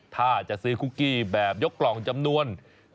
ถ้าจะซื้อคุกกี้แบบยกกล่องจำนวน